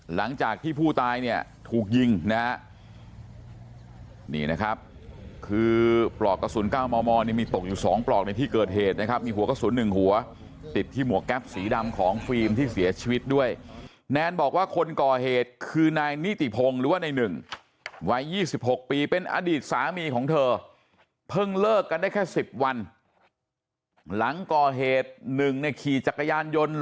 หลังจากที่ผู้ตายเนี่ยถูกยิงนะฮะนี่นะครับคือปลอกกระสุน๙มมเนี่ยมีตกอยู่๒ปลอกในที่เกิดเหตุนะครับมีหัวกระสุน๑หัวติดที่หมวกแก๊ปสีดำของฟิล์มที่เสียชีวิตด้วยแนนบอกว่าคนก่อเหตุคือนายนิติพงศ์หรือว่าในหนึ่งวัย๒๖ปีเป็นอดีตสามีของเธอเพิ่งเลิกกันได้แค่๑๐วันหลังก่อเหตุหนึ่งในขี่จักรยานยนต์